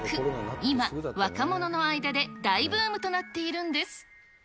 今、若者の間で大ブームとなっているんです。